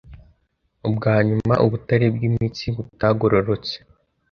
Ubwanyuma ubutare bwimitsi butagororotse